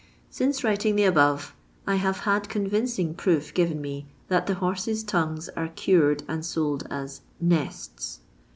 Since writing the above, I have had convincing proof given me that the horses' tongues are cured and sold as naats."